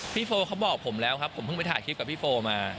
โฟเขาบอกผมแล้วครับผมเพิ่งไปถ่ายคลิปกับพี่โฟมา